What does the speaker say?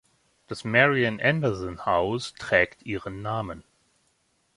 Das Marian Anderson House trägt ihren Namen.